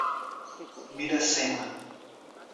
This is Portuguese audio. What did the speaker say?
Miracema